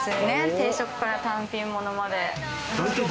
定食から単品ものまで。